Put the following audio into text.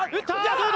どうだ？